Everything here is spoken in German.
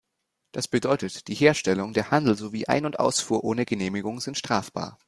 Das bedeutet, die Herstellung, der Handel sowie Ein- und Ausfuhr ohne Genehmigung sind strafbar.